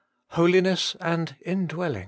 HOLINESS AND INDWELLING.